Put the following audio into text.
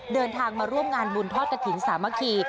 เดินทางมาร่วมงานบุญทอดกระถิ่นสามัคคี